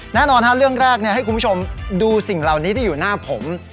แน่นอนเรื่องแรกให้คุณผู้ชมดูสิ่งเหล่านี้ที่อยู่หน้าผม